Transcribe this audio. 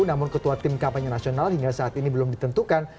namun ketua tim kampanye nasional hingga saat ini belum ditentukan